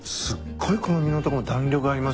この身のとこ弾力ありますね。